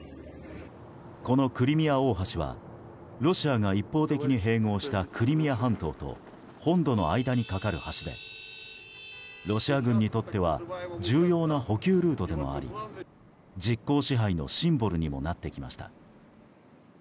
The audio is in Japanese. このクリミア大橋はロシアが一方的に併合したクリミア半島と本土の間に架かる橋でロシア軍にとっては重要な補給ルートでもあり実効支配のシンボルにもなってきました。